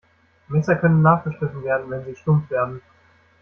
Messer können nachgeschliffen werden, wenn sie stumpf werden.